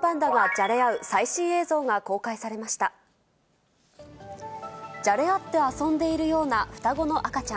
じゃれ合って遊んでいるような双子の赤ちゃん。